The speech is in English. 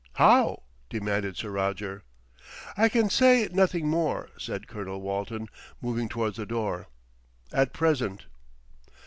"How?" demanded Sir Roger. "I can say nothing more," said Colonel Walton, moving towards the door, "at present."